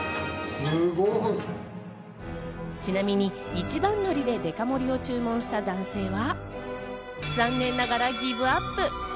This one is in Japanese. ちなみに一番乗りでデカ盛りを注文した男性は残念ながらギブアップ。